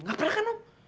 nggak pernah kan om